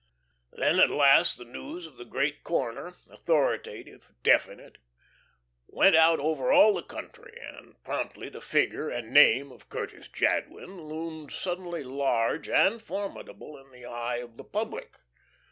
Then at last the news of the great corner, authoritative, definite, went out over all the country, and promptly the figure and name of Curtis Jadwin loomed suddenly huge and formidable in the eye of the public.